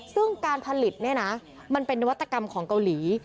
ซึ่งการผลิตเนี่ยนะมันเป็นนวัตกรรมของเกาหลี